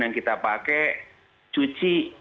yang kita pakai cuci